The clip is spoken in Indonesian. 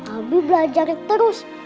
abi belajar terus